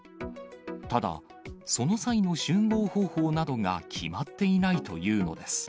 ただ、その際の集合方法などが決まっていないというのです。